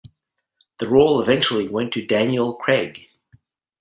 The role eventually went to Daniel Craig.